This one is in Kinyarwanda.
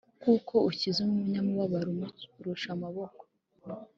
Kuko ukiza umunyamubabaro umurusha amaboko